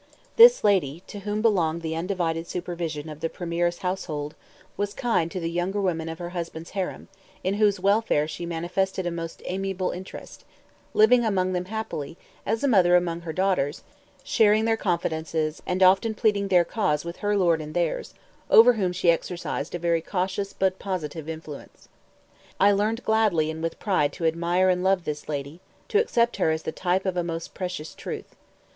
This lady, to whom belonged the undivided supervision of the premier's household, was kind to the younger women of her husband's harem, in whose welfare she manifested a most amiable interest, living among them happily, as a mother among her daughters, sharing their confidences, and often pleading their cause with her lord and theirs, over whom she exercised a very cautious but positive influence. I learned gladly and with pride to admire and love this lady, to accept her as the type of a most precious truth.